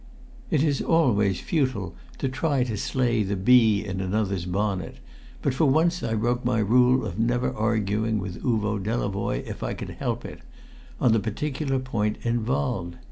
It is always futile to try to slay the bee in another's bonnet; but for once I broke my rule of never arguing with Uvo Delavoye, if I could help it, on the particular point involved.